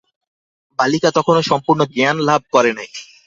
বালিকা তখনো সম্পূর্ণ জ্ঞানলাভ করে নাই।